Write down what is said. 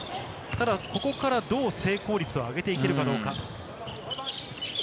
ただここから、どう成功率を上げていけるかどうか。